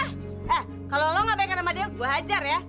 eh kalo lu gak baik baikin sama dia gue hajar ya